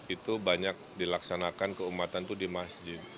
itu banyak dilaksanakan keumatan itu di masjid